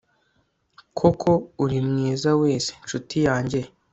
koko uri mwiza wese, ncuti yanjye